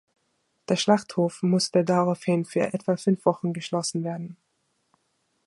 Der Schlachthof musste daraufhin für etwa fünf Wochen geschlossen werden.